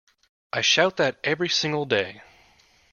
I shout that every single day!